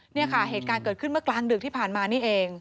เนี่ยค่ะเหตุการณ์เกิดขึ้นเมื่อกลางดึกที่ผ่านมานี่เอง